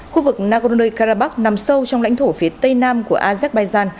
khu vực nagorno karabakh nằm sâu trong lãnh thổ phía tây nam của azerbaijan